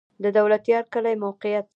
د دولتيار کلی موقعیت